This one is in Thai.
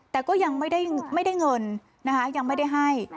แต่ก็ยังไม่ได้เงินนะคะยังไม่ได้ให้